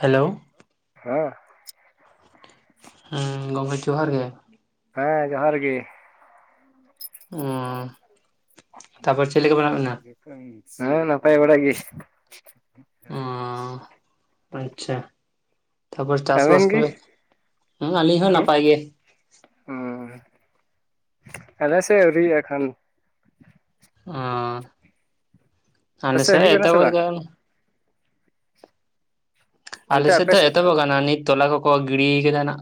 Hello ᱦᱮᱸ ᱦᱮᱸ ᱜᱚᱝᱠᱮ ᱡᱚᱦᱟᱨ ᱜᱮ ᱦᱮᱸ ᱡᱚᱦᱟᱨ ᱜᱮ ᱛᱟᱯᱚᱨ ᱪᱮᱫ ᱞᱮᱠᱟ ᱢᱮᱱᱟᱜ ᱵᱮᱱᱟ? ᱦᱮᱸ ᱱᱟᱯᱟᱭ ᱵᱟᱲᱟ ᱜᱮ ᱟᱪᱪᱷᱟ ᱚ ᱟᱪᱪᱷᱟ ᱛᱟᱯᱚᱨ ᱟᱵᱮᱱ ᱪᱟᱥᱵᱟᱥ ᱜᱮ ᱠᱚᱨᱮ ᱦᱮᱸ ᱟᱹᱞᱤᱧ ᱦᱚᱸ ᱱᱟᱯᱟᱭ ᱜᱮ᱾ ᱦᱚ ᱟᱞᱮ ᱥᱮᱫ ᱟᱹᱣᱨᱤᱭᱟᱜ-ᱟ ᱮᱠᱷᱚᱱ᱾ ᱚᱸ ᱟᱞᱮ ᱟᱯᱮᱥᱮᱫ ᱥᱮᱫ ᱦᱩᱭᱩᱜ ᱠᱟᱱᱟ ᱥᱮ ᱮᱛᱚᱦᱚᱵ ᱵᱟᱝ ᱜᱟᱱ ᱚᱱᱛᱮ ᱟᱞᱮᱥᱮᱫ ᱟᱯᱮ ᱫᱚ ᱥᱮᱫ? ᱮᱛᱚᱦᱚᱵ ᱠᱟᱱᱟ ᱱᱤᱛ ᱛᱚᱞᱟ ᱠᱚᱠᱚ ᱜᱤᱲᱤᱭ ᱠᱟᱫᱟ ᱱᱟᱜ᱾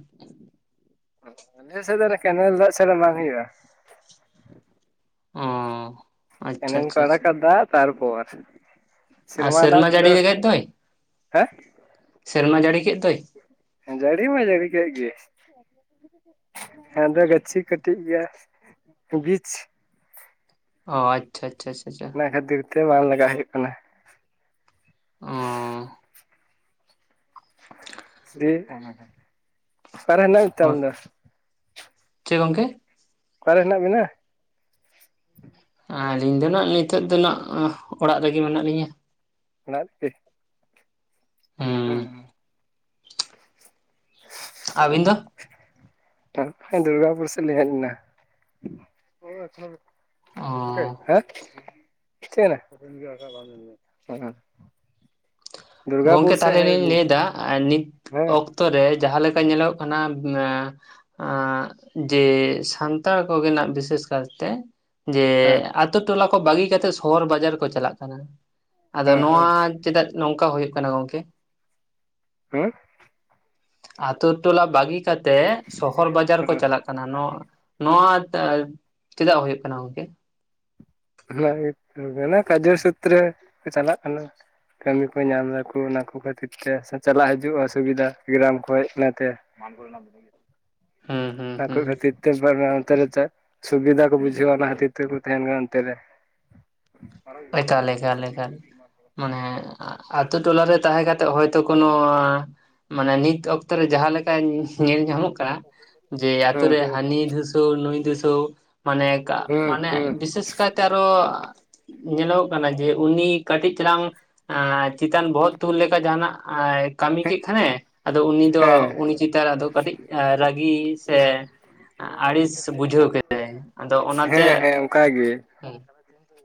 ᱟᱞᱮ ᱥᱮᱫ ᱫᱚ ᱠᱮᱱᱮᱞ ᱫᱟᱜ ᱪᱷᱟᱲᱟ ᱵᱟᱝ ᱦᱩᱭᱩᱜ-ᱟ ᱾ ᱚᱸᱻ ᱠᱮᱱᱮᱞ ᱠᱚ ᱟᱲᱟᱜ-ᱟ ᱫᱟᱜ ᱛᱟᱨ ᱯᱚᱨ ᱟᱨ ᱥᱮᱨᱢᱟ ᱡᱟᱹᱲᱤ ᱫᱟᱜ ᱮᱫ ᱫᱚᱭ ᱥᱮᱨᱢᱟ ᱡᱟᱹᱲᱤ ᱠᱮᱫ ᱫᱚᱭ ᱾ ᱦᱮᱸ ᱡᱟᱹᱲᱤ ᱢᱟᱭ ᱡᱟᱹᱲᱤ ᱠᱮᱫ ᱜᱮ ᱾ [unintelligible] ᱦᱮᱸᱫᱮ ᱜᱟᱹᱪᱷᱤ ᱠᱟᱹᱴᱤᱡ ᱜᱮᱭᱟ ᱵᱤᱪ ᱚ ᱟᱪᱷᱟ ᱪᱷᱟ ᱪᱷᱟ᱾ ᱚᱱᱟ ᱠᱷᱟᱹᱛᱤᱨ ᱛᱮ ᱵᱟᱝ ᱞᱟᱜᱟ ᱦᱩᱭᱩᱜ ᱠᱟᱱᱟ ᱾ ᱚᱸᱻ [unintelligible] ᱚᱠᱟ ᱨᱮ ᱦᱮᱱᱟᱜ ᱢᱮ ᱛᱮ ᱚ ᱟᱢ ᱫᱚ? ᱪᱮᱫ ᱜᱚᱝᱠᱮ ᱚᱠᱟᱨᱮ ᱦᱮᱱᱟᱜ ᱵᱮᱱᱟ? ᱟᱹᱞᱤᱧ ᱫᱚ ᱱᱟᱸᱜ ᱱᱤᱛᱚᱜ ᱫᱚ ᱟᱸᱱᱟᱜ ᱚᱲᱟᱜ ᱨᱮᱜᱮ ᱢᱮᱱᱟᱜ ᱞᱤᱧᱟ ᱾ ᱚᱲᱟᱜ ᱨᱤᱜᱤ ᱦᱩᱸ ᱦᱩ ᱟᱵᱤᱱ ᱫᱚ? ᱛᱟᱨᱯᱚᱨᱮ ᱫᱩᱨᱜᱟᱯᱩᱨ ᱥᱮᱫ ᱞᱤᱧ ᱦᱮᱡᱱᱟ ᱾ ᱚᱸ ᱻ [unintelligible] ᱜᱚᱢᱠᱮ ᱫᱩᱨᱜᱟᱯᱩᱨ ᱥᱮᱫ ᱛᱟᱦᱚᱞᱮ ᱦᱮᱡ ᱞᱤᱧ ᱞᱟᱹᱭᱫᱟ ᱟᱸ ᱱᱤᱛ ᱦᱮᱸ ᱚᱠᱛᱚ ᱨᱮ ᱡᱟᱦᱟᱸ ᱞᱮᱠᱟ ᱧᱮᱞᱚᱜ ᱠᱟᱱᱟ ᱟᱸ ᱡᱮ ᱥᱟᱱᱛᱟᱲ ᱠᱚᱜᱮᱱᱟᱜ ᱵᱤᱥᱮᱥ ᱠᱟᱨᱛᱮ ᱡᱮ ᱦᱮᱸ ᱟᱛᱳ ᱴᱚᱞᱟ ᱠᱚ ᱵᱟᱹᱜᱤ ᱠᱟᱛᱮ ᱥᱚᱦᱚᱨ ᱵᱟᱡᱟᱨ ᱠᱚ ᱪᱟᱞᱟᱜ ᱠᱟᱱᱟ, ᱟᱫᱚ ᱦᱮᱸ ᱱᱚᱣᱟ ᱦᱮᱸ ᱪᱮᱫᱟᱜ ᱱᱚᱝᱠᱟ ᱦᱩᱭᱩᱜ ᱠᱟᱱᱟ ᱜᱚᱝᱠᱮ? [inaudible] ᱟᱹᱛᱳ ᱴᱚᱞᱟ ᱵᱟᱹᱜᱤ ᱠᱟᱛᱮᱜ ᱥᱚᱦᱚᱨ ᱵᱟᱡᱟᱨ ᱠᱚ ᱦᱮᱸ ᱪᱟᱞᱟᱜ ᱠᱟᱱᱟ ᱱᱚ ᱱᱚᱣᱟ [inaudible] ᱪᱮᱫᱟᱜ ᱦᱳᱭᱳᱜ ᱠᱟᱱᱟ ᱜᱚᱝᱠᱮ? [inaudible] ᱠᱟᱡᱮ ᱥᱩᱽᱛᱮᱨᱮ ᱠᱚ ᱪᱟᱞᱟᱜ ᱠᱟᱱᱟ᱾ ᱠᱟᱹᱢᱤ ᱠᱚ ᱧᱟᱢ ᱫᱟᱠᱩ ᱚᱱᱟ ᱠᱚ ᱠᱷᱟᱹᱛᱤᱨ ᱛᱮ ᱥᱮ ᱪᱟᱞᱟᱜ ᱦᱤᱡᱩᱜ ᱚᱥᱩᱵᱤᱫᱟ ᱜᱨᱟᱢ ᱠᱷᱚᱡ ᱤᱱᱟᱹᱛᱮ᱾ [unintelligible] ᱦᱩᱸ ᱦᱩᱸ ᱟᱠᱚ ᱦᱩᱸ ᱠᱷᱟᱹᱛᱤᱨ ᱛᱮ [unintelligible] ᱥᱩᱵᱤᱫᱟ ᱠᱚ ᱵᱩᱡᱷᱟᱹᱣᱟ ᱚᱱᱟ ᱦᱚᱛᱮᱡ ᱛᱮᱠᱚ ᱛᱟᱦᱮᱱ ᱠᱟᱱ [unintelligible] ᱮᱠᱟᱞ ᱮᱠᱟᱞ ᱮᱠᱟᱞ ᱢᱟᱱᱮ ᱟᱛᱩ ᱴᱚᱞᱟ ᱨᱮ ᱛᱟᱦᱮᱸ ᱠᱟ ᱠᱟᱛᱮᱜ ᱦᱚᱭᱛᱳ ᱠᱚᱱᱚ ᱢᱟᱱᱮ ᱱᱤᱛ ᱚᱠᱛᱚ ᱨᱮ ᱡᱟᱦᱟᱸ ᱞᱮᱠᱟ ᱧᱮᱞ ᱧᱟᱢᱚᱜ ᱠᱟᱱᱟ ᱡᱮ ᱟᱛᱳ ᱦᱩᱸ ᱨᱮ ᱦᱩᱸ ᱦᱟᱹᱱᱤ ᱫᱷᱩᱥ ᱛᱳ ᱱᱩᱭ ᱫᱤᱥᱟᱹᱣ ᱢᱟᱱᱮ ᱠᱟ ᱦᱩᱸ ᱢᱟᱱᱮ ᱦᱩᱸ ᱵᱤᱥᱮᱥ ᱠᱟᱭᱛᱮ ᱟᱨᱚ ᱧᱮᱞᱚᱜᱚᱜ ᱠᱟᱱᱟ ᱡᱮ ᱩᱱᱤ ᱠᱟᱹᱴᱤᱡ ᱪᱟᱞᱟᱝ ᱟᱸ ᱪᱤᱛᱟᱱ ᱵᱚᱦᱚᱜ ᱛᱩᱞ ᱞᱮᱠᱷᱟᱱ ᱡᱟᱦᱟᱸᱱᱟᱜ ᱮᱸ ᱠᱟᱹᱢᱤ ᱠᱤᱜ ᱠᱷᱟᱱᱮ ᱟᱫᱚ ᱩᱱᱤ ᱫᱚ ᱦᱮᱸ ᱩᱱᱤ ᱪᱮᱛᱟᱱ ᱟᱫᱚ ᱠᱟᱹᱴᱤᱡ ᱨᱟᱹᱜᱤ ᱥᱮ ᱟᱹᱲᱤᱥ ᱵᱩᱡᱷᱟᱹᱣ ᱠᱮᱫᱟᱭ ᱟᱫᱚ ᱚᱱᱟᱛᱮ ᱦᱮᱸ ᱦᱮᱸ ᱚᱱᱠᱟ ᱜᱮ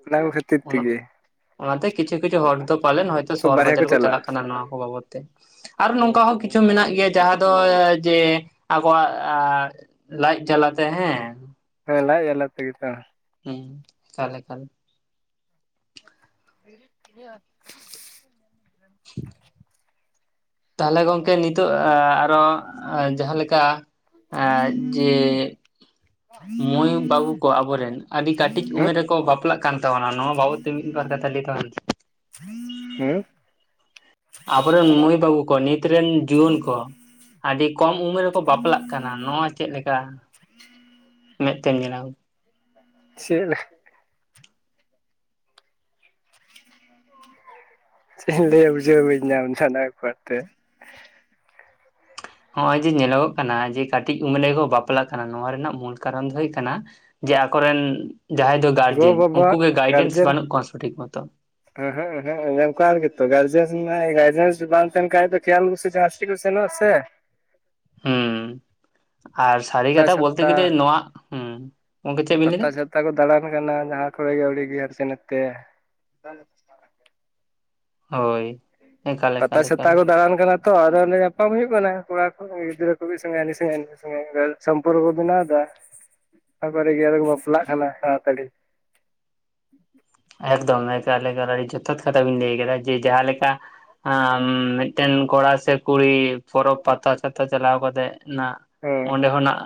ᱚᱱᱟ ᱠᱚ ᱠᱷᱟᱹᱛᱤᱨ ᱚᱱᱟ ᱛᱤᱜᱤ ᱚᱱᱟᱛᱮ ᱠᱤᱪᱷᱩ ᱠᱤᱪᱷᱩ ᱦᱚᱲ ᱫᱚ ᱯᱟᱞᱮᱱ ᱦᱚᱭᱛᱚ ᱥᱚᱦᱚᱨ ᱵᱟᱨᱦᱮ ᱵᱟᱡᱟᱨ ᱠᱚ ᱪᱟᱞᱟᱜᱼᱟ ᱪᱟᱞᱟᱜ ᱠᱟᱱᱟ ᱱᱚᱣᱟ ᱠᱚ ᱵᱟᱵᱚᱛ ᱛᱮ᱾ ᱟᱨᱚ ᱱᱚᱝᱠᱟ ᱦᱚᱸ ᱠᱤᱪᱷᱩ ᱢᱮᱱᱟᱜ ᱜᱮᱭᱟ ᱡᱟᱦᱟᱸ ᱫᱚ ᱡᱮ ᱟᱵᱚᱣᱟᱜ ᱞᱟᱡ ᱡᱟᱞᱟᱛᱮ ᱦᱮᱸ ᱦᱮᱸ ᱞᱟᱡ ᱡᱟᱞᱟ ᱛᱮᱜᱮ ᱛᱚ, ᱦᱩᱸ, ᱛᱟᱦᱞᱮ ᱠᱷᱟᱱ [inaudible] [inaudible] ᱛᱟᱦᱞᱮ ᱜᱚᱝᱠᱮ ᱱᱤᱛᱳᱜ ᱮᱸ ᱟᱨᱚ ᱮᱸ ᱡᱟᱦᱟᱸ ᱞᱮᱠᱟ ᱮᱸ ᱡᱮ ᱢᱳᱭ ᱵᱟᱹᱵᱩ ᱠᱚ ᱟᱵᱚᱨᱮᱱ ᱟᱹᱰᱤ ᱠᱟᱹᱴᱤᱡ ᱦᱮᱸ ᱩᱢᱮᱨ ᱨᱮᱠᱚ ᱵᱟᱯᱞᱟᱜ ᱠᱟᱱ ᱛᱟᱵᱚᱱᱟ ᱱᱚᱣᱟ ᱵᱟᱵᱚᱛ ᱛᱮ ᱢᱤᱫ ᱵᱟᱨ ᱠᱟᱛᱷᱟ ᱞᱮ ᱛᱟᱵᱚᱱ ᱵᱤᱱ᱾ ᱦᱩᱸ? ᱟᱵᱚᱨᱮᱱ ᱢᱟᱹᱭ ᱵᱟᱹᱵᱩ ᱠᱚ ᱱᱤᱛ ᱨᱮᱱ ᱡᱩᱣᱟᱹᱱ ᱠᱚ ᱟᱹᱰᱤ ᱠᱚᱢ ᱩᱢᱮᱨ ᱠᱚ ᱵᱟᱯᱞᱟᱜ ᱠᱟᱱᱟ ᱱᱚᱣᱟ ᱪᱮᱫ ᱞᱮᱠᱟ ᱢᱮᱫ ᱛᱮᱢ ᱧᱮᱞᱟ? ᱪᱮᱫ? ᱪᱮᱜ ᱤᱧ ᱞᱟᱹᱭᱟ ᱵᱩᱡᱷᱟᱹᱣ ᱵᱟᱹᱧ ᱧᱟᱢ ᱫᱟ ᱚᱱᱟ [inaudible] ᱛᱮ᱾ ᱦᱚᱸᱜ-ᱚᱭ ᱡᱮ ᱧᱮᱞᱚᱜᱚᱜ ᱠᱟᱱᱟ ᱡᱮ ᱠᱟᱹᱴᱤᱡ ᱩᱢᱞᱮ ᱠᱚ ᱵᱟᱯᱞᱟᱜ ᱠᱟᱱᱟ, ᱱᱚᱣᱟ ᱨᱮᱱᱟᱜ ᱢᱩᱞ ᱠᱟᱨᱚᱱ ᱫᱚ ᱦᱩᱭ ᱠᱟᱱᱟ ᱡᱮ ᱟᱠᱚᱨᱮᱱ ᱡᱟᱦᱟᱸᱭ ᱫᱚ ᱜᱚ ᱜᱟᱨᱡᱮᱱ ᱩᱱᱠᱩ ᱵᱟᱵᱟᱣᱟᱜ ᱜᱮ ᱜᱟᱭᱰᱮᱱᱥ ᱜᱟᱨᱡᱮᱱ ᱵᱟᱹᱱᱩᱜ ᱠᱚᱣᱟ ᱥᱚᱴᱷᱤᱠ ᱢᱚᱛᱚ᱾ ᱮᱸ-ᱦᱮᱸᱜ ᱮᱸ-ᱦᱮᱸᱜ [inaudible] ᱜᱮᱛᱚ ᱜᱟᱨᱡᱮᱱ ᱱᱟ ᱜᱟᱨᱡᱮᱱ ᱡᱩᱫᱤ ᱵᱟᱝ ᱛᱟᱦᱮᱱ ᱠᱷᱟᱡ ᱫᱚ [inaudible] [inaudible] ᱥᱮᱱᱚᱜ-ᱟ ᱥᱮ᱾ ᱦᱩᱸ ᱟᱨ ᱥᱟᱹᱨᱤ ᱯᱟᱛᱟ ᱠᱟᱛᱷᱟ ᱵᱚᱞᱛᱮ ᱪᱷᱟᱛᱟ ᱜᱮᱞᱮ ᱱᱚᱣᱟ, ᱦᱩᱸ᱾ ᱜᱚᱝᱠᱮ ᱪᱮᱫ ᱵᱤᱱ ᱞᱟᱹᱭᱫᱟ ᱯᱟᱛᱟ ᱪᱷᱟᱛᱟ ᱠᱚ ᱫᱟᱬᱟᱱ ᱠᱟᱱᱟ ᱡᱟᱦᱟᱸ ᱠᱚᱨᱮ ᱜᱮ ᱟᱹᱣᱲᱤ ᱜᱤ ᱦᱟᱱᱛᱮ ᱱᱟᱛᱮ᱾ ᱦᱳᱭ᱾ ᱮᱠᱟᱞ ᱯᱟᱛᱟ ᱮᱠᱟᱞ ᱪᱷᱟᱛᱟ ᱮᱠᱟᱞ ᱠᱚ ᱫᱟᱬᱟᱱ ᱠᱟᱱᱟ ᱛᱚ ᱟᱫᱚ ᱚᱸᱰᱮ ᱧᱟᱯᱟᱢ ᱦᱩᱭᱩᱜ ᱠᱟᱱᱟ ᱠᱚᱲᱟ ᱠᱚ᱾ ᱜᱤᱫᱨᱟᱹ ᱠᱚ ᱢᱤᱫ ᱥᱚᱸᱜᱮ ᱦᱟᱱᱤ ᱥᱚᱸᱜᱮ ᱱᱩᱭ ᱥᱚᱸᱜᱮ, [inaudible] ᱥᱚᱢᱯᱚᱨᱠᱚ ᱵᱮᱱᱟᱣ ᱫᱟ᱾ ᱛᱟᱨᱯᱚᱨᱮ ᱜᱮ ᱟᱫᱚ ᱠᱚ ᱵᱟᱯᱞᱟᱜ ᱠᱟᱱᱟ ᱛᱟᱲᱟᱛᱟᱲᱤ᱾ ᱮᱠᱫᱚᱢ ᱮᱠᱟᱞ ᱮᱠᱟᱞ ᱟᱹᱰᱤ ᱡᱚᱛᱷᱟᱛ ᱠᱟᱛᱷᱟ ᱵᱤᱱ ᱞᱟᱹᱭ ᱠᱟᱫᱟ ᱡᱮ ᱡᱟᱦᱟᱸ ᱞᱮᱠᱟ ᱟᱸ ᱢᱤᱫᱴᱮᱱ ᱠᱚᱲᱟ ᱥᱮ ᱠᱩᱲᱤ ᱯᱚᱨᱚᱵᱽ ᱯᱟᱛᱟ ᱪᱷᱟᱛᱟ ᱪᱟᱞᱟᱣ ᱠᱟᱛᱮᱫ ᱚᱱᱟᱜ ᱦᱮᱸ ᱚᱸᱰᱮ ᱠᱷᱚᱱᱟᱜ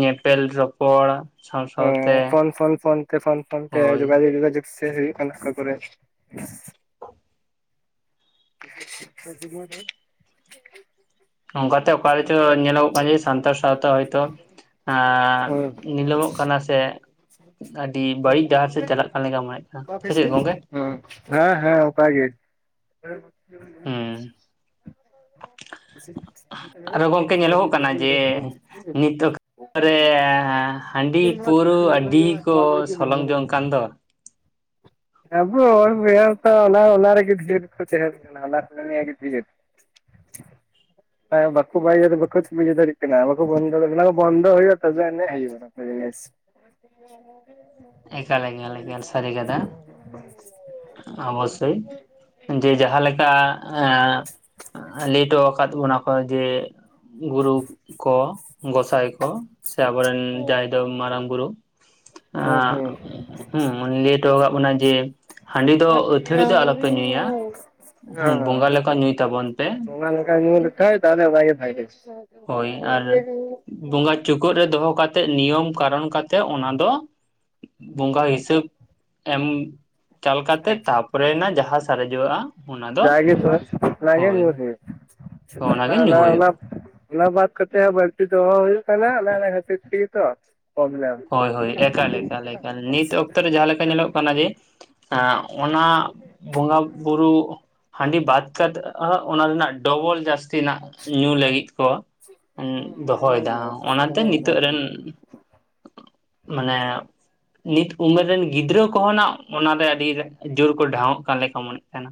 ᱧᱮᱯᱮᱞ ᱨᱚᱯᱚᱲ ᱥᱟᱶ ᱚ ᱥᱟᱶᱛᱮ ᱯᱷᱳᱱ ᱯᱷᱳᱱ ᱯᱷᱳᱱ ᱛᱮ ᱯᱷᱳᱱ ᱯᱷᱳᱱ ᱛᱮ ᱦᱳᱭ ᱡᱳᱜᱟᱡᱳᱜ ᱡᱳᱜᱟᱡᱳᱜ ᱥᱮ ᱦᱩᱭᱩᱜ ᱠᱟᱱᱟ ᱚᱠᱟ ᱠᱚᱨᱮ᱾ [inaudible] ᱚᱱᱠᱟᱛᱮ ᱚᱠᱟᱨᱮᱪᱚ ᱧᱮᱞᱚᱜᱚᱜ ᱠᱟᱱᱟ ᱡᱮ ᱥᱟᱱᱛᱟᱲ ᱥᱟᱶᱛᱟ ᱦᱚᱭᱛᱚ ᱦᱩᱸ ᱮᱸᱜ ᱱᱤᱞᱟᱹᱢᱚᱜ ᱠᱟᱱᱟ ᱥᱮ [inaudible] ᱟᱹᱰᱤ ᱵᱟᱹᱲᱤᱡ ᱰᱟᱦᱟᱨ ᱥᱮᱫ ᱪᱟᱞᱟᱜ ᱠᱟᱱ ᱞᱮᱠᱟ ᱢᱚᱱᱮᱜ ᱠᱟᱱᱟ ᱥᱮ ᱪᱮᱫ ᱜᱚᱝᱠᱮ ᱦᱮᱸ ᱦᱮᱸ ᱚᱱᱠᱟ ᱜᱮ᱾ ᱦᱩᱸ᱾ ᱟᱨᱚ ᱜᱚᱝᱠᱮ ᱧᱮᱞᱚᱜᱚᱜ [inaudible] ᱨᱮᱻ ᱦᱟᱺᱰᱤ ᱯᱟᱹᱣᱨᱟᱹ ᱟᱹᱰᱤ ᱠᱚ ᱥᱚᱞᱚᱝ ᱡᱚᱝ ᱠᱟᱱᱟᱱ ᱫᱚ᱾ [inaudible] [inaudible] [inaudible] ᱵᱟᱠᱚ [inaudible] ᱵᱟᱠᱚ ᱵᱩᱡᱷᱟᱹᱣ ᱫᱟᱲᱮᱜ ᱠᱟᱱᱟ ᱵᱟᱠᱚ ᱵᱚᱱᱫᱚ, ᱚᱱᱟᱠᱚ ᱵᱚᱱᱫᱚ ᱦᱩᱭᱩᱜᱼᱟ ᱛᱚᱵᱮ ᱟᱱᱤᱡ ᱦᱩᱭᱩᱜ-ᱟ ᱚᱱᱟ᱾ [inaudible] ᱮᱠᱟᱞ ᱮᱠᱟᱞ ᱮᱠᱟᱞ ᱥᱟᱹᱨ ᱠᱟᱛᱷᱟ᱾ ᱚᱵᱚᱥᱥᱳᱭ ᱡᱮ ᱡᱟᱦᱟᱸ ᱞᱮᱠᱟ ᱮᱸ ᱞᱟᱹᱭ ᱦᱚᱴᱚ ᱟᱠᱟᱫ ᱵᱚᱱᱟ ᱠᱚ ᱡᱮ ᱜᱩᱨᱩ ᱠᱚ ᱜᱚᱸᱥᱟᱭ ᱠᱚ ᱥᱮ ᱟᱵᱚᱨᱮᱱ ᱡᱟᱦᱟᱸᱭ ᱫᱚ ᱢᱟᱨᱟᱝ ᱵᱩᱨᱩ᱾ ᱦᱮᱸ ᱦᱮᱸ᱾ ᱩᱱᱤ ᱞᱟᱹᱭ ᱦᱚᱴᱚ ᱟᱠᱟᱫ ᱵᱚᱱᱟᱭ ᱡᱮ ᱦᱟᱺᱰᱤ ᱫᱚ ᱟᱹᱛᱷᱟᱹᱲᱤᱡ ᱫᱚ ᱟᱞᱚᱯᱮ ᱧᱩᱭᱟ᱾ ᱦᱩᱸ ᱦᱮᱸ ᱵᱚᱸᱜᱟ ᱞᱮᱠᱟ ᱧᱩᱭ ᱛᱟᱵᱚᱱ ᱯᱮ᱾ ᱚᱱᱟ ᱞᱮᱠᱟ ᱧᱩ ᱞᱮᱠᱷᱟᱡ ᱛᱟᱦᱚᱞᱮ ᱵᱟᱭ ᱜᱮ ᱵᱷᱟᱜᱮ ᱦᱳᱭ ᱟᱨ ᱵᱚᱸᱜᱟ ᱪᱩᱠᱟᱹᱜ ᱨᱮ ᱫᱚᱦᱚ ᱠᱟᱛᱮᱜ, ᱱᱤᱭᱚᱢ ᱠᱟᱨᱚᱱ ᱠᱟᱛᱮᱜ ᱚᱱᱟ ᱫᱚ ᱵᱚᱸᱜᱟ ᱦᱤᱥᱟᱹᱵ ᱮᱢ ᱪᱟᱞ ᱠᱟᱛᱮ ᱛᱟᱯᱚᱨᱮᱭᱮᱱᱟ ᱡᱟᱦᱟᱸ ᱥᱟᱨᱮᱡᱚᱜᱣᱟᱜᱼᱟ᱾ ᱡᱟ ᱜᱮ ᱥᱟᱨᱮᱡ ᱚᱱᱟ ᱜᱮ ᱧᱩᱭ ᱦᱚᱭᱩᱜ-ᱟ᱾ ᱚᱱᱟᱜᱮ ᱡᱟᱦᱟᱸ ᱧᱩ ᱚᱱᱟ ᱚᱱᱟ ᱦᱩᱭᱩᱜᱼᱟ ᱚᱱᱟ ᱵᱟᱫ ᱠᱟᱛᱮ ᱦᱟ ᱵᱟᱹᱲᱛᱤ ᱫᱚᱦᱚ ᱦᱩᱭᱩᱜ ᱠᱟᱱᱟ ᱚᱱᱮ ᱚᱱᱟ ᱠᱷᱟᱹᱛᱤᱨ ᱛᱮᱜᱮ ᱛᱚ᱾ ᱯᱨᱚᱵᱞᱮᱢ ᱦᱳᱭ ᱦᱳᱭ, ᱮᱠᱟᱞᱮᱠᱟ ᱞᱮᱠᱟ᱾ ᱱᱤᱛ ᱚᱠᱛᱚ ᱨᱮ ᱡᱟᱦᱟᱸᱮ ᱞᱮᱠᱟ ᱧᱮᱞᱚᱜ ᱠᱟᱱᱟ ᱡᱮ ᱦᱮᱸ ᱚᱱᱟ ᱵᱚᱸᱜᱟ ᱵᱩᱨᱩ ᱦᱟᱺᱰᱤ ᱵᱟᱫ ᱠᱟ ᱠᱟᱛᱮᱜ ᱦᱟ ᱚᱱᱟ ᱨᱮᱱᱟᱜ ᱰᱚᱵᱚᱞ ᱡᱟᱹᱥᱛᱤ ᱱᱟᱜ ᱧᱩ ᱞᱟᱹᱜᱤᱫ ᱠᱚ ᱦᱮᱸ ᱫᱚᱦᱚᱭᱮᱫᱟ ᱚᱱᱟᱛᱮ ᱫᱚᱦᱚᱭᱮᱫᱟ ᱱᱤᱛᱳᱜ ᱦᱮᱸ ᱨᱮᱱ ᱢᱟᱱᱮ ᱱᱤᱛ ᱩᱢᱮᱨ ᱨᱮᱱ ᱜᱤᱫᱽᱨᱟᱹ ᱠᱚᱦᱚᱸ ᱱᱟᱜ ᱚᱱᱟᱨᱮ ᱟᱹᱰᱤ ᱡᱳᱨ ᱠᱚ ᱰᱷᱟᱶᱚᱜ ᱠᱟᱱ ᱞᱮᱠᱟ ᱢᱚᱱᱮᱜ ᱠᱟᱱᱟ᱾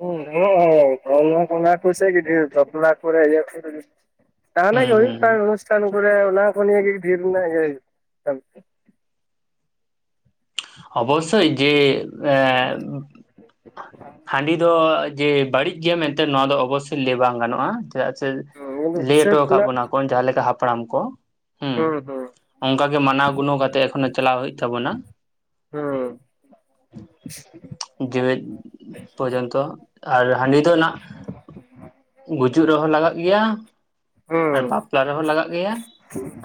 ᱦᱩᱸ ᱦᱚᱸᱜ ᱦᱚᱸ ᱚᱱ ᱚᱱᱟ ᱠᱚ ᱥᱮ ᱜᱮ ᱰᱷᱮᱨ ᱫᱚ᱾ ᱵᱟᱯᱞᱟ ᱠᱚ ᱨᱮ ᱤᱭᱟᱹ ᱠᱚᱨᱮ ᱡᱟᱦᱟᱱᱟᱜ ᱜᱮ ᱦᱩᱸ ᱦᱩᱭᱩᱜ ᱦᱩᱸ ᱠᱟᱱ ᱚᱱᱩᱥᱴᱷᱟᱱ ᱠᱚᱨᱮ ᱚᱱᱟ ᱠᱚ ᱱᱤᱭ ᱜᱮ ᱰᱷᱮᱨ ᱨᱮᱱᱟᱜ ᱜᱮ ᱠᱟᱱ ᱛᱟᱦᱮᱸᱫ᱾ ᱚᱵᱚᱥᱥᱳᱭ ᱡᱮ ᱮ ᱦᱟᱺᱰᱤ ᱫᱚ ᱡᱮ ᱵᱟᱹᱲᱤᱡ ᱜᱮᱭᱟ ᱢᱮᱱᱛᱮ ᱱᱚᱣᱟ ᱫᱚ ᱚᱵᱚᱥᱥᱳᱭ ᱞᱮᱟᱹᱭ ᱵᱟᱝ ᱜᱟᱱᱚᱜᱼᱟ᱾ ᱪᱮᱫᱟᱜ ᱥᱮ ᱦᱩᱭᱩᱜ ᱞᱟᱹᱭ ᱦᱚᱴᱚ ᱦᱤᱥᱟᱹᱵ ᱟᱠᱟᱫ ᱨᱮᱱᱟᱜ ᱵᱚᱱᱟ ᱠᱚ ᱡᱟᱦᱟᱸ ᱞᱮᱠᱟ ᱦᱟᱯᱲᱟᱢ ᱠᱚ᱾ ᱦᱩᱸ᱾ ᱚᱱᱠᱟ ᱜᱮ ᱢᱟᱱᱟᱣ ᱜᱩᱱᱟᱹᱣ ᱠᱟᱛᱮᱜ ᱮᱠᱷᱚᱱᱚ ᱪᱟᱞᱟᱣ ᱦᱩᱭᱩᱜ ᱛᱟᱵᱚᱱᱟ᱾ ᱦᱩᱸ᱾ ᱡᱮᱣᱮᱫ ᱯᱚᱨᱡᱚᱱᱛᱚ ᱟᱨ ᱦᱟᱺᱰᱤ ᱫᱚ ᱱᱟᱜ ᱜᱩᱡᱩᱜ ᱨᱮᱦᱚᱸ ᱞᱟᱜᱟᱜ ᱜᱮᱭᱟ ᱟᱨ ᱦᱩᱸ ᱵᱟᱯᱞᱟ ᱨᱮᱦᱚᱸ ᱞᱟᱜᱟᱜ ᱜᱮᱭᱟ᱾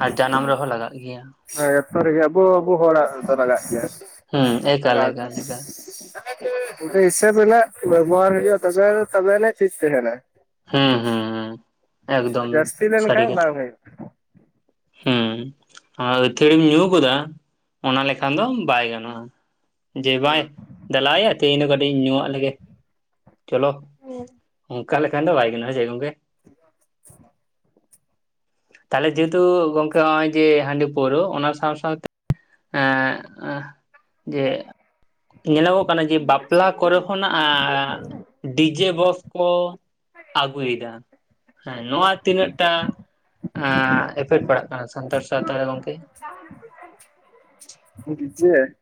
ᱟᱨ ᱡᱟᱱᱟᱢ ᱨᱮᱦᱚᱸ ᱞᱟᱜᱟᱜ ᱜᱮᱭᱟ᱾ ᱦᱮᱸ ᱡᱚᱛᱚ ᱨᱮᱜᱮ ᱟᱵᱚ ᱟᱵᱚ ᱦᱚᱲᱟᱜ ᱫᱚ ᱞᱟᱜᱟᱜ ᱜᱮᱭᱟ ᱦᱩᱸ ᱮᱠᱟᱞ ᱞᱟᱜᱟᱣ ᱫᱚ᱾ ᱮᱠᱟᱞ ᱮᱠᱟᱞ ᱡᱩᱫᱤ ᱦᱤᱥᱟᱹᱵ ᱨᱮᱱᱟᱜ ᱵᱮᱵᱚᱦᱟᱨ ᱦᱩᱭᱩᱜᱼᱟ ᱛᱚᱵᱮ ᱛᱚᱵᱮᱱᱤᱡ ᱴᱷᱤᱠ ᱛᱟᱦᱮᱱᱟ᱾ ᱦᱩᱸ ᱦᱩᱸ᱾ ᱮᱠᱫᱚᱢ ᱡᱟᱹᱥᱛᱤ ᱥᱟᱹᱨᱤ ᱞᱮᱱᱠᱷᱟᱱ ᱠᱟᱛᱷᱟ᱾ ᱵᱟᱝ ᱦᱩᱭᱩᱜᱼᱟ ᱦᱩᱸ ᱟᱨ ᱟᱹᱛᱷᱟᱹᱲᱤᱢ ᱧᱩ ᱜᱚᱫᱟ ᱚᱱᱟ ᱞᱮᱠᱷᱟᱱ ᱫᱚ ᱵᱟᱭ ᱜᱟᱱᱚᱜ-ᱟ᱾ ᱡᱮ ᱵᱟᱝᱭᱟ ᱫᱞᱟᱭᱭᱟ ᱛᱮᱦᱮᱧ ᱫᱚ ᱠᱟᱹᱴᱤᱡ ᱤᱧ ᱧᱩᱣᱟᱜ ᱞᱮᱜᱮ᱾ ᱪᱚᱞᱚ ᱚᱱᱠᱟ ᱞᱮᱠᱷᱟᱱ ᱫᱚ ᱵᱟᱭ ᱜᱟᱱᱚᱜᱼᱟ ᱥᱮ ᱪᱮᱫ ᱜᱚᱝᱠᱮ᱾ [inaudible] ᱛᱟᱞᱦᱮ ᱡᱮᱦᱮᱛᱩ ᱜᱚᱝᱠᱮ ᱱᱚᱜᱼᱚᱭ ᱡᱮ ᱦᱟᱸᱰᱤ ᱯᱩᱨᱟᱹ ᱚᱱᱟ ᱥᱟᱶ ᱥᱟᱶᱛᱮ ᱮᱸᱜ ᱡᱮ ᱧᱮᱞᱚᱜᱚᱜ ᱠᱟᱱᱟ ᱡᱮ ᱵᱟᱯᱞᱟ ᱠᱚᱨᱮ ᱠᱷᱚᱱᱟᱜ ᱟᱸ ᱰᱤᱡᱮ ᱵᱚᱠᱥ ᱠᱚ ᱟᱜᱩᱭᱩᱭᱮᱫᱟ᱾ ᱦᱮᱸ ᱱᱚᱣᱟ ᱛᱤᱱᱟᱹᱜ ᱴᱟ ᱟᱸ ᱮᱯᱷᱮᱠᱴ ᱯᱟᱲᱟᱜ ᱠᱟᱱᱟ ᱥᱟᱱᱛᱟᱲ ᱥᱟᱶᱛᱟ ᱨᱮ ᱜᱚᱝᱠᱮ? [unintelligible]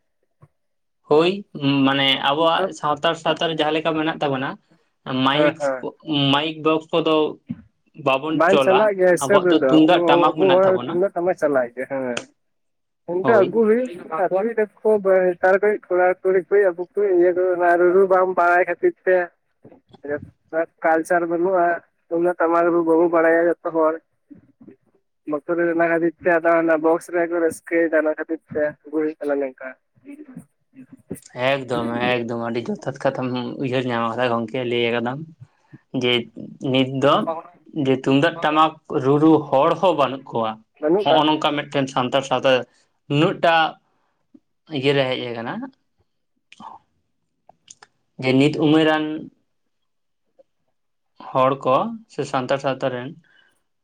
ᱦᱳᱭ ᱢᱟᱱᱮ ᱟᱵᱚᱣᱟᱜ ᱥᱟᱶᱛᱟᱲ ᱥᱟᱶᱛᱟᱨᱮ ᱡᱟᱦᱟᱸ ᱞᱮᱠᱟ ᱢᱮᱱᱟᱜ ᱛᱟᱵᱚᱱᱟ ᱦᱮᱸ ᱢᱟᱭᱤᱠᱥ ᱦᱮᱸ ᱢᱟᱭᱤᱠ ᱵᱚᱠᱥ ᱠᱚᱫᱚ ᱵᱟᱵᱚᱱ ᱵᱟᱝᱧ ᱪᱚᱞᱟ ᱪᱟᱞᱟᱜ ᱜᱮᱭᱟ ᱦᱤᱥᱟᱹᱵ ᱟᱵᱚᱣᱟᱜ ᱫᱚ ᱨᱮᱫᱚ᱾ ᱟᱵᱚ ᱛᱩᱢᱫᱟᱜ ᱴᱟᱢᱟᱠ ᱟᱵᱚ ᱢᱮᱱᱟᱜ ᱦᱚᱲᱟᱜ ᱛᱟᱵᱚᱱᱟ ᱛᱩᱢᱫᱟᱹᱜ ᱴᱟᱢᱟᱠ ᱪᱟᱞᱟᱜ ᱜᱮᱭᱟ ᱦᱮᱸ᱾ ᱚᱱᱰᱮ ᱦᱳᱭ ᱟᱜᱩ ᱦᱩᱭᱮᱱ ᱟᱨ [unintelligible] ᱠᱚᱲᱟ ᱠᱩᱤ ᱠᱩᱭᱤᱡ ᱟᱵᱚ ᱠᱩᱭᱤᱡ ᱤᱭᱟᱹ ᱠᱚ ᱚᱱᱟ ᱨᱩ ᱨᱩ ᱵᱟᱢ ᱵᱟᱲᱟᱭ ᱠᱷᱟᱹᱛᱤᱨ ᱛᱮ [unintelligible] ᱠᱟᱞᱪᱟᱨ ᱵᱟᱹᱱᱩᱜᱼᱟ, ᱛᱩᱢᱫᱟᱜ ᱴᱟᱢᱟᱠᱩ ᱵᱟᱵᱚ ᱵᱟᱲᱟᱭᱟ ᱡᱚᱛᱚ ᱦᱚᱲ᱾ [inaudible] ᱵᱟᱠᱟ ᱨᱮᱱ ᱚᱱᱟ ᱠᱷᱟᱭᱤᱨ ᱛᱮ ᱟᱫᱚ ᱦᱟᱱᱮ ᱵᱚᱠᱥ ᱨᱮᱠᱚ ᱨᱟᱥᱠᱟᱭᱫᱟ ᱚᱱᱟ ᱠᱷᱟᱛᱤᱨ ᱛᱮ ᱟᱜᱩ ᱦᱩᱭᱩᱜ ᱠᱟᱱᱟ ᱱᱮᱝᱠᱟ᱾ [inaudible] ᱮᱠᱫᱚᱢ ᱮᱠᱫᱚᱢ ᱟᱹᱰᱤ ᱡᱚᱛᱷᱟᱛ ᱠᱟᱛᱷᱟᱢ ᱩᱭᱦᱟᱹᱨ ᱧᱟᱢ ᱠᱟᱫᱟ ᱜᱚᱢᱠᱮ ᱞᱟᱹᱭ ᱟᱠᱟᱫᱟᱢ᱾ ᱡᱮ ᱱᱤᱛ ᱫᱚ ᱡᱮ ᱛᱩᱢᱫᱟᱹᱜ ᱴᱟᱢᱟᱠ ᱨᱩ ᱨᱩ ᱦᱚᱲ ᱦᱚᱸ ᱵᱟᱹᱱᱩᱜ ᱠᱚᱣᱟ᱾ ᱵᱟᱹᱱᱩᱜ ᱦᱚᱸᱜᱼᱚ ᱠᱟᱜ ᱠᱚᱣᱟ ᱱᱚᱝᱠᱟ ᱢᱤᱫᱴᱟᱱ ᱮᱠᱮᱱ ᱥᱟᱱᱛᱟᱲ ᱥᱟᱶᱛᱟ ᱱᱩᱱᱟᱹᱜᱴᱟ ᱤᱭᱟᱹᱨᱮ ᱦᱮᱡ ᱞᱮᱱᱟ [unintelligible] ᱡᱮ ᱱᱤᱛ ᱩᱢᱟᱹᱨᱟᱱ ᱦᱚᱲ ᱠᱚ ᱥᱮ ᱥᱟᱱᱛᱟᱲ ᱥᱟᱶᱛᱟ ᱨᱮᱱ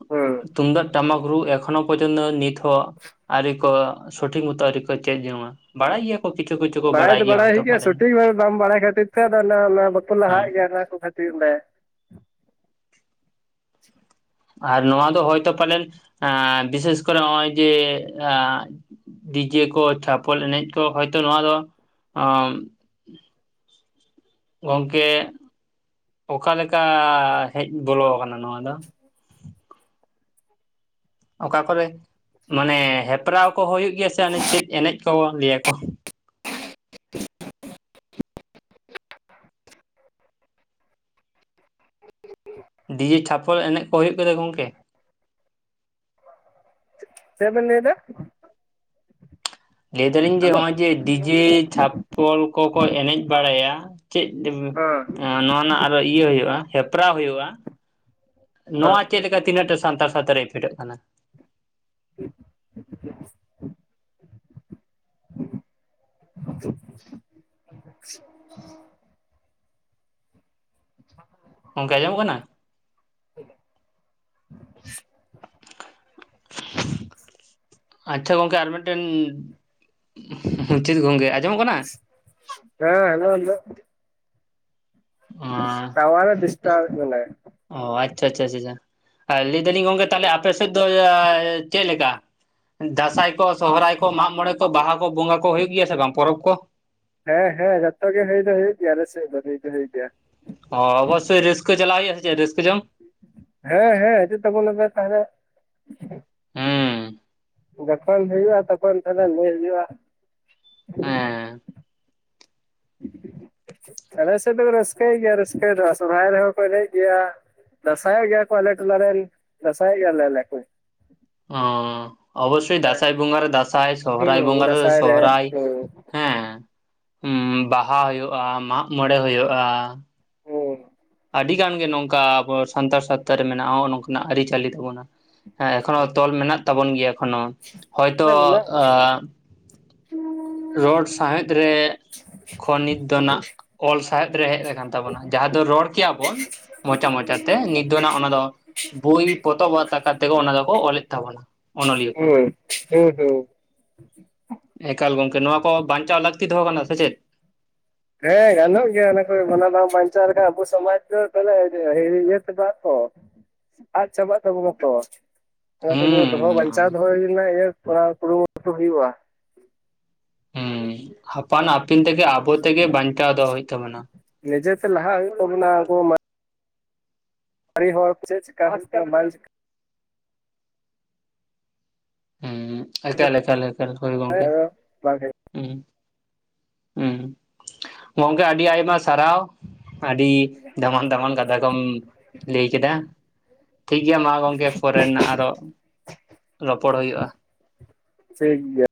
ᱦᱩᱸ ᱛᱩᱢᱫᱟᱜ ᱴᱟᱢᱟᱠ ᱨᱩ ᱮᱠᱷᱚᱱᱚ ᱯᱚᱨᱡᱚᱱᱛᱚ ᱱᱤᱛ ᱦᱚᱸ ᱟᱹᱣᱨᱤ ᱠᱚ ᱥᱚᱴᱷᱤᱠ ᱩᱛᱟᱹᱨᱟ ᱠᱚ ᱪᱮᱫ ᱡᱚᱝᱟ ᱵᱟᱲᱟᱭ ᱜᱮᱭᱟ ᱠᱤᱪᱷᱩ ᱠᱤᱪᱷᱩ ᱠᱚ ᱵᱟᱲᱟᱭ ᱫᱚ ᱵᱟᱲᱟᱭ ᱦᱚᱭᱛᱚ ᱦᱩᱭᱩᱜ ᱜᱮᱭᱟ ᱯᱟᱞᱮᱱ ᱥᱚᱴᱷᱤᱠ ᱵᱷᱟᱵᱮ ᱵᱟᱢ ᱵᱟᱲᱟᱭ ᱠᱷᱟᱹᱛᱤᱨ ᱛᱮ ᱟᱫᱚ ᱚᱱᱟ ᱵᱟᱠᱚ ᱞᱟᱦᱟᱜ ᱦᱮᱸ ᱜᱮᱭᱟ ᱚᱱᱟ ᱠᱚ ᱠᱷᱟᱹᱛᱤᱨ ᱟᱨ ᱱᱚᱣᱟ ᱫᱚ ᱦᱚᱭᱛᱳ ᱯᱟᱞᱮᱱ ᱵᱤᱥᱮᱥ ᱠᱚᱨᱮ ᱱᱚᱜᱼᱚᱭ ᱡᱮ ᱰᱤᱡᱮ ᱠᱚ ᱪᱷᱟᱯᱚᱞ ᱮᱱᱮᱡ ᱠᱚ ᱦᱚᱭᱛᱚ ᱱᱚᱣᱟ ᱫᱚ ᱚ ᱜᱚᱝᱠᱮ ᱚᱠᱟᱞᱮᱠᱟ ᱦᱮᱡ ᱵᱚᱞᱚᱣ ᱟᱠᱟᱱᱟ ᱱᱚᱣᱟ ᱫᱚ᱾ ᱚᱠᱟ ᱠᱚᱨᱮ ᱢᱟᱱᱮ ᱦᱮᱯᱨᱟᱣ ᱠᱚ ᱦᱩᱭᱩᱜ ᱜᱮᱭᱟ ᱥᱮ ᱚᱱᱮ ᱪᱮᱫ ᱮᱱᱮᱡ ᱠᱚ ᱞᱟᱹᱭᱟᱠᱚ᱾ ᱰᱤᱡᱮ ᱪᱷᱟᱯᱚᱞ ᱮᱱᱮᱡ ᱠᱚ ᱦᱩᱭᱩᱜ ᱜᱮᱫᱚ ᱜᱚᱝᱠᱮ ᱪᱮᱫ ᱵᱮᱱ ᱞᱟᱹᱭᱮᱫᱟ? ᱞᱟᱹᱭ ᱫᱟᱞᱤᱧ ᱡᱮ ᱦᱮᱞᱳ ᱱᱚᱜᱼᱚᱭ ᱡᱮ ᱰᱤᱡᱮ ᱪᱷᱟᱯᱚᱞ ᱠᱚᱠᱚ ᱮᱱᱮᱡ ᱵᱟᱲᱟᱭᱟ ᱪᱮᱫ ᱦᱮᱸ ᱱᱚᱣᱟ ᱨᱮᱱᱟᱜ ᱟᱨᱚ ᱤᱭᱟᱹ ᱦᱩᱭᱩᱜᱼᱟ ᱦᱮᱯᱨᱟᱣ ᱦᱩᱭᱩᱜᱼᱟ᱾ ᱱᱚᱣᱟ ᱪᱮᱫᱞᱮᱠᱟ ᱛᱤᱱᱟᱹᱜᱴᱟ ᱥᱟᱱᱛᱟᱲ ᱥᱟᱶᱛᱟ ᱨᱮ ᱯᱷᱮᱰᱚᱜ ᱠᱟᱱᱟ᱾ [unintelligible] [unintelligible] [unintelligible] ᱚᱱᱠᱟ ᱚᱸᱡᱚᱢᱚᱜ ᱠᱟᱱᱟ? [unintelligible] [unintelligible] ᱟᱪᱪᱷᱟ ᱜᱚᱝᱠᱮ ᱟᱨ ᱢᱤᱫᱴᱮᱱ, ᱪᱤᱛ ᱜᱚᱝᱠᱮ ᱟᱸᱡᱚᱢᱚᱜ ᱠᱟᱱᱟ? ᱦᱮᱸ ᱦᱮᱞᱚ ᱦᱮᱞᱚ᱾ ᱦᱟᱸ ᱴᱟᱣᱟᱨ ᱮ ᱰᱤᱥᱴᱟᱵᱮᱫ ᱵᱮᱱᱟᱭ ᱚ ᱟᱪᱪᱷᱟ ᱟᱪᱪᱷᱟ ᱟᱪᱪᱷᱟ ᱟᱪᱪᱷᱟ ᱞᱟᱹᱭ ᱫᱟᱞᱤᱧ ᱜᱚᱝᱠᱮ ᱛᱟᱦᱮᱞᱮ, ᱟᱯᱮ ᱥᱮᱫ ᱫᱚ ᱪᱮᱫ ᱞᱮᱠᱟ? ᱫᱟᱸᱥᱟᱭ ᱠᱚ ᱥᱚᱦᱨᱟᱭ ᱠᱚ ᱢᱟᱜ ᱢᱚᱬᱮ ᱠᱚ ᱵᱟᱦᱟ ᱠᱚ ᱵᱚᱸᱜᱟ ᱠᱚ ᱦᱩᱭᱩᱜ ᱜᱮᱭᱟ ᱥᱮ ᱵᱟᱝ ᱯᱚᱨᱚᱵᱽ ᱠᱚ? ᱦᱮᱸ ᱦᱮᱸ ᱡᱚᱛᱚ ᱜᱮ ᱦᱩᱭ ᱫᱚ ᱦᱩᱭᱩᱜ ᱜᱮᱭᱟ ᱟᱞᱮ ᱥᱮᱫ ᱫᱚ ᱦᱩᱭ ᱫᱚ ᱦᱩᱭᱩᱜ ᱜᱮᱭᱟ᱾ ᱚ ᱚᱵᱚᱥᱥᱚᱭ ᱨᱟᱹᱥᱠᱟᱹ ᱪᱟᱞᱟᱣ ᱦᱩᱭᱩᱜᱼᱟ ᱥᱮ ᱪᱮᱫ ᱨᱟᱹᱥᱠᱟᱹ ᱡᱚᱝ? ᱦᱮᱸ ᱦᱮᱸ ᱦᱤᱡᱩᱜ ᱛᱟᱵᱚᱱ ᱞᱮᱯᱮ ᱛᱟᱦᱚᱞᱮ᱾ ᱦᱩᱸ ᱡᱚᱠᱷᱚᱱ ᱦᱩᱭᱩᱜᱼᱟ ᱛᱚᱠᱷᱚᱱ ᱛᱟᱦᱚᱞᱮ ᱞᱟᱹᱭ ᱦᱩᱭᱩᱜᱼᱟ᱾ ᱦᱮᱸ [unintelligible] ᱟᱞᱮ ᱥᱮᱫ ᱫᱚ ᱨᱟᱹᱥᱠᱟᱹᱭ ᱜᱮᱭᱟ ᱨᱟᱹᱥᱠᱟᱹ ᱫᱚ ᱥᱚᱨᱚᱦᱟᱭ ᱨᱮᱦᱚᱸ ᱠᱚ ᱮᱱᱮᱡ ᱜᱮᱭᱟ᱾ ᱫᱟᱸᱥᱟᱭ ᱜᱮᱭᱟ ᱠᱚ ᱟᱞᱮ ᱴᱚᱞᱟ ᱫᱟᱸᱥᱟᱭ ᱜᱮᱭᱟ ᱞᱮ ᱟᱞᱮ᱾ ᱚ ᱚᱵᱚᱥᱥᱚᱭ ᱫᱟᱸᱥᱟᱭ ᱵᱚᱸᱜᱟ ᱨᱮ ᱫᱟᱸᱥᱟᱭ ᱥᱚᱦᱨᱟᱭ ᱦᱩᱸ ᱵᱚᱸᱜᱟ ᱨᱮ ᱫᱟᱸᱥᱟᱭ ᱥᱚᱦᱨᱟᱭ ᱦᱩᱸ ᱦᱮᱸ ᱵᱟᱦᱟ ᱦᱩᱭᱩᱜᱼᱟ ᱢᱟᱜ ᱢᱚᱬᱮ ᱦᱩᱭᱩᱜᱼᱟ᱾ ᱦᱩᱸ ᱟᱰᱤ ᱜᱟᱱ ᱜᱮ ᱱᱚᱝᱠᱟ ᱵᱚᱥᱼᱼ ᱥᱟᱱᱛᱟᱲ ᱥᱟᱶᱛᱟ ᱨᱮ ᱢᱮᱱᱟᱜ-ᱟ ᱚ ᱱᱚᱝᱠᱟ ᱱᱟᱜ ᱟᱹᱨᱤ ᱪᱟᱹᱞᱤ ᱛᱟᱵᱚᱱᱟ ᱦᱮᱸ ᱮᱠᱷᱚᱱᱚ ᱦᱩᱸ ᱛᱚᱞ ᱢᱮᱱᱟᱜᱼᱼ ᱛᱟᱵᱚᱱ ᱜᱮᱭᱟ ᱮᱠᱷᱚᱱᱚ ᱦᱚᱭᱛᱟ ᱚᱜᱼᱼ ᱢᱮᱱᱟᱜ ᱨᱚᱲ ᱥᱟᱶᱦᱮᱫᱽ ᱨᱮᱼᱼ ᱠᱷᱚᱱ ᱱᱤᱛ ᱫᱚ ᱱᱟᱜ, ᱚᱞ ᱥᱟᱶᱦᱮᱫ ᱨᱮ ᱦᱮᱡ ᱟᱠᱟᱱ ᱛᱟᱵᱚᱱᱟ ᱡᱟᱦᱟᱸ ᱫᱚ ᱨᱚᱲᱼᱼ ᱠᱮᱜ-ᱟ ᱵᱚᱱ ᱢᱚᱪᱟ ᱢᱚᱪᱟ ᱛᱮ ᱱᱤᱛ ᱫᱚ ᱱᱟᱜ ᱚᱱᱟ ᱫᱚᱼᱼ ᱵᱳᱭ ᱯᱚᱛᱚᱵᱽ ᱟᱠᱟ ᱛᱮᱜᱮ ᱚᱱᱟ ᱫᱚᱠᱚ ᱚᱞᱮᱫ ᱛᱟᱵᱚᱱᱟ᱾ ᱚᱱᱚᱞᱤᱭᱟᱹ ᱠᱚ ᱦᱳᱭ, ᱦᱩᱸ ᱦᱩᱸ᱾ ᱮᱠᱟᱞ ᱜᱚᱝᱠᱮ, ᱱᱚᱣᱟ ᱠᱚ ᱵᱟᱧᱪᱟᱣ ᱞᱟᱠᱛᱤ ᱫᱚᱦᱚ ᱠᱟᱱᱟ ᱥᱮ ᱪᱮᱫ! ᱦᱮᱸ ᱜᱟᱱᱚᱜ ᱜᱮᱭᱟ ᱚᱱᱟ ᱠᱚ ᱚᱱᱟ ᱵᱟᱢ‌ ᱵᱟᱧᱪᱟᱣ ᱨᱮᱠᱷᱟᱡ‌ ᱟᱵᱩ ᱥᱚᱢᱟᱪ ᱫᱚ ᱛᱟᱦᱚᱞᱮ ᱤᱨᱮ ᱤᱭᱟᱹ ᱪᱟᱵᱟᱜ ᱛᱚ ᱾ ᱟᱫ ᱪᱟᱵᱟᱜ ᱛᱟᱵᱚᱱᱟ ᱛᱚ᱾ ᱚᱱᱟ ᱛᱮᱜᱮ ᱫᱚᱦᱚ ᱦᱩᱸ ᱵᱟᱧᱪᱟᱣ ᱫᱚᱦᱚᱭ ᱨᱮᱱᱟᱜ ᱤᱭᱟᱹ ᱠᱚᱨᱟᱣ ᱠᱩᱨᱩᱢᱩᱴᱩ ᱦᱩᱭᱩᱜᱼᱟ᱾ ᱦᱩᱸ, ᱟᱯᱟᱱ ᱟᱹᱯᱤᱱ ᱛᱮᱜᱮ ᱟᱵᱚ ᱛᱮᱜᱮ ᱵᱟᱧᱪᱟᱣ ᱫᱚᱦᱟ ᱦᱩᱭᱩᱜ ᱛᱟᱵᱚᱱᱟ᱾ ᱱᱤᱡᱮ ᱛᱮ ᱞᱟᱦᱟ ᱦᱩᱭᱩᱜ ᱛᱟᱵᱚᱱᱟ ᱟᱵᱚ ᱢᱟᱸ ᱟᱲᱤ ᱦᱚᱲ ᱠᱚ ᱪᱮᱜ ᱪᱮᱠᱟᱜ ᱵᱟᱝ ᱪᱮ ᱦᱩᱸ ᱪᱮᱠᱟ ᱮᱠᱟᱞ ᱮᱠᱟᱞ ᱮᱠᱟᱞ, ᱦᱳᱭ ᱜᱚᱝᱠᱮ᱾ ᱴᱷᱤᱠ ᱩᱸ, ᱩᱸ, ᱜᱚᱝᱠᱮ ᱟᱰᱤ ᱟᱭᱢᱟ ᱥᱟᱨᱦᱟᱣ᱾ ᱟᱰᱤ ᱫᱟᱢᱟᱱ ᱫᱟᱢᱟᱱ ᱠᱟᱛᱷᱟ ᱠᱚᱢ ᱞᱟᱹᱭ ᱠᱮᱫᱟ᱾ ᱴᱷᱤᱠ ᱜᱮᱭᱟ ᱢᱟ ᱜᱚᱝᱠᱮ ᱯᱚᱨᱮ ᱱᱟᱜ ᱟᱨᱚ ᱯᱚᱲ ᱦᱩᱭᱩᱜᱼᱟ ᱾ ᱥᱮᱠ ᱜᱮᱭᱟ᱾